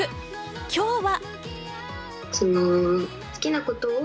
今日は。